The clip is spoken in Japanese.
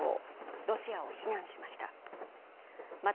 ロシアを非難しました